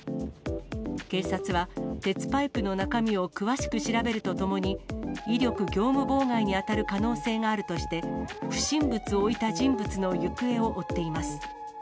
警察は、鉄パイプの中身を詳しく調べるとともに、威力業務妨害に当たる可能性があるとして、不審物を置いた人物の行方を追っています。